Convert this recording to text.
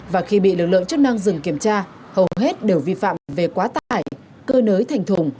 và khi bị lực lượng chức năng dừng kiểm tra hầu hết đều vi phạm về quá tải cơ nới thành thùng